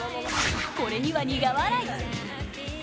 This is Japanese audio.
これには苦笑い。